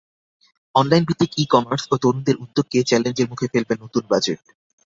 অনলাইনভিত্তিক e commerce ও তরুণদের উদ্যোগকে চ্যালেঞ্জর মুখে ফেলবে নতুন বাজেট।